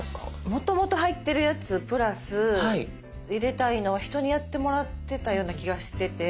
もともと入ってるやつプラス入れたいのは人にやってもらってたような気がしてて。